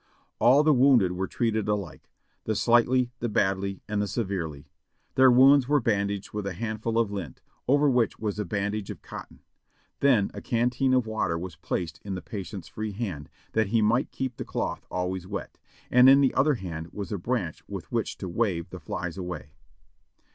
All the wounded were treated alike — the slightly, the badly, and the severely. Their wounds were bandaged with a handful of lint, over which was a bandage of cotton; then a canteen of water was placed in the patient's free hand, that he might keep the cloth always wet. In the other hand was a branch with which to wave the flies away.